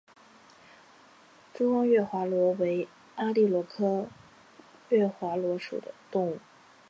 珠光月华螺为阿地螺科月华螺属的动物。